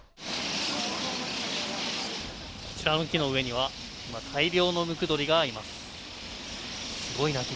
こちらの木の上には大量のムクドリがいます。